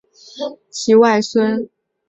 许育瑞为其外孙。